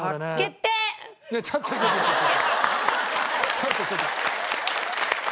ちょっとちょっと！